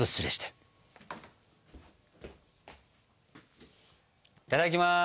いただきます！